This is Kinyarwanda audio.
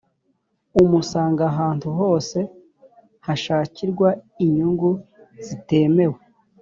umusanga hantu hose hashakirwa inyungu zitemewe